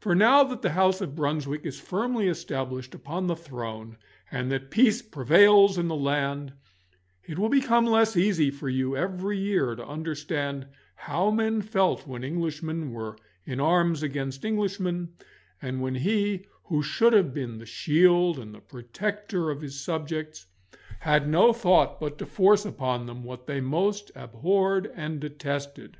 For now that the house of Brunswick is firmly established upon the throne and that peace prevails in the land, it will become less easy for you every year to understand how men felt when Englishmen were in arms against Englishmen, and when he who should have been the shield and the protector of his subjects had no thought but to force upon them what they most abhorred and detested.